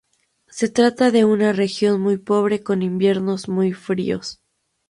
Se trata de una región muy pobre, con inviernos muy fríos.